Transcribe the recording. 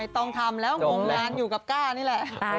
ต้องทำแล้วงงงานอยู่กับก้านี่แหละ